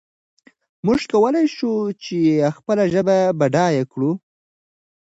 موږ کولای شو خپله ژبه بډایه کړو.